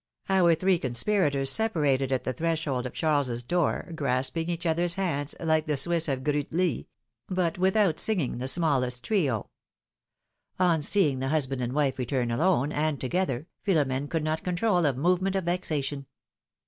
Our three conspirators 252 PHIL0M^:XE'S MAREIAGES. separated at the threshold of Charles' door, grasping each other's hands like the Swiss of Griitli, but without singing the smallest trio. On seeing the husband and wife return alone, and together, Philom^ne could not control a movement of vexation.